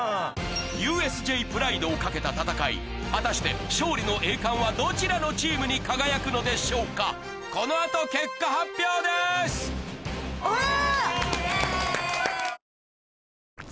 ＵＳＪプライドを懸けた戦い果たして勝利の栄冠はどちらのチームに輝くのでしょうかうわっ！